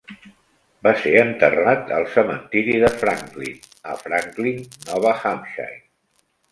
Va ser enterrat al cementiri de Franklin, a Franklin, Nova Hampshire.